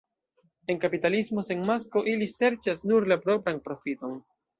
En kapitalismo sen masko ili serĉas nur la propran profiton.